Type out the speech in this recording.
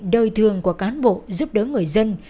đời thương của cán bộ giúp đỡ người dân